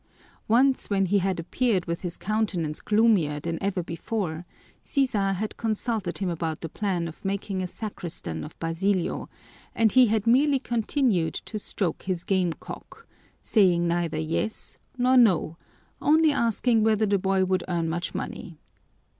Once when he had appeared with his countenance gloomier than ever before, Sisa had consulted him about the plan of making a sacristan of Basilio, and he had merely continued to stroke his game cock, saying neither yes nor no, only asking whether the boy would earn much money.